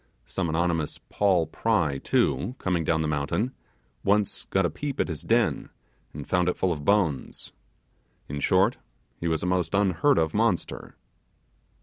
Some anonymous Paul Pry, too, coming down the mountain, once got a peep at his den, and found it full of bones. In short, he was a most unheard of monster.